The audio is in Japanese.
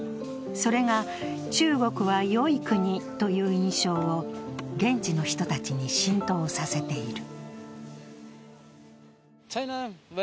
それが中国は良い国という印象を現地の人たちに浸透させている。